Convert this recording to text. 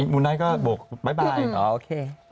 มูไนท์ชอบไปไหนเนี่ย